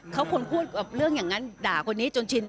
เขาควรพูดเรื่องอย่างนั้นด่าคนนี้จนชิน